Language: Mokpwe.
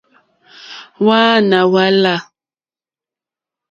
Hwáǎnà hwá láǃá.